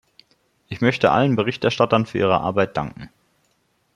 Ich möchte allen Berichterstattern für ihre Arbeit danken.